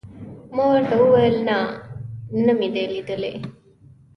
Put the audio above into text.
ما ورته وویل: نه، نه مې دي لیدلي.